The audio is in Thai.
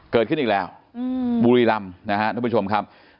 เกิดขึ้นอีกแล้วบุรีรำนะฮะท่านผู้ชมครับ